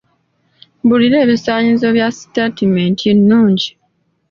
Mbuulira ebisaanyizo bya sitaatimenti ennungi.